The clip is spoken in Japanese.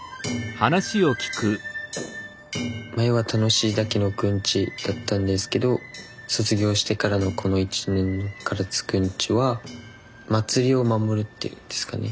前は楽しいだけのくんちだったんですけど卒業してからのこの１年の唐津くんちは祭りを守るっていうんですかね